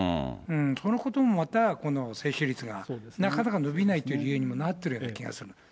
そのこともまたこの接種率が、なかなか伸びないという理由にもなってるような気がする。